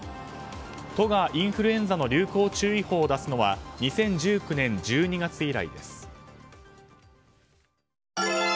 都がインフルエンザの流行注意報を出すのは２０１９年１２月以来です。